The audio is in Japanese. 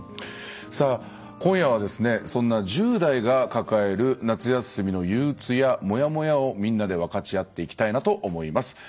今夜はですね、そんな１０代が抱える夏休みのゆううつやもやもやをみんなで分かち合っていきたいなと思います。